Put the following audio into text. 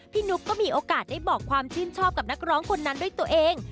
นุ๊กก็มีโอกาสได้บอกความชื่นชอบกับนักร้องคนนั้นด้วยตัวเอง